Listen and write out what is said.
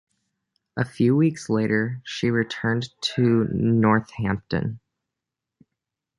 A few weeks later, she returned to Northampton.